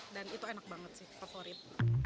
dan itu enak banget sih favorit